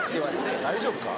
大丈夫か？